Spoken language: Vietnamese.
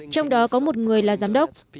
trong đó có một người là giám đốc